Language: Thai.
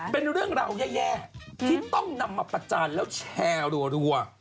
เป็นเรื่องราวแย่ที่ต้องนำมาประจานแล้วแชร์รัว